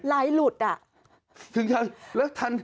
ไหลหลุดอ่ะ